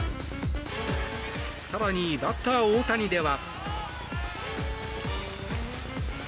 更に、バッター・大谷では。